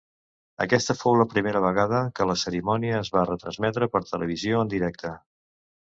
Aquesta fou la primera vegada que la cerimònia es va retransmetre per televisió en directe.